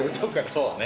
そうね。